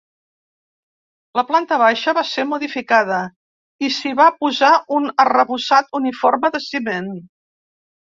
La planta baixa va ser modificada i s'hi va posar un arrebossat uniforme de ciment.